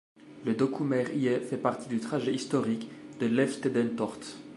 Le Dokkumer Ie fait partie du trajet historique de l'Elfstedentocht.